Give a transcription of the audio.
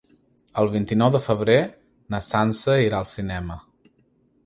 El vint-i-nou de febrer na Sança irà al cinema.